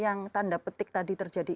yang tanda petik tadi terjadi